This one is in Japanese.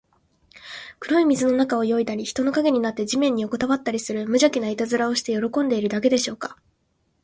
黒い水の中を泳いだり、人の影になって地面によこたわったりする、むじゃきないたずらをして喜んでいるだけでしょうか。